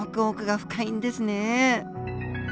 奥が深いんですね。